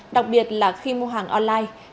đặc biệt là khi mua hàng online